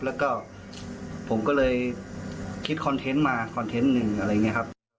แล้วก็ผมก็เลยคิดคอนเทนต์มาคอนเทนต์หนึ่งอะไรอย่างนี้ครับ